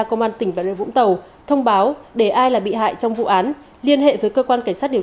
công an tỉnh bà rê vũng tàu thông báo để ai là bị hại trong vụ án liên hệ với cơ quan cảnh sát điều